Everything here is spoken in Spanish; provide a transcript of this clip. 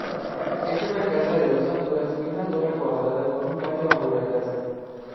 Es una casa de dos alturas y una torre cuadrada con un patio amurallado.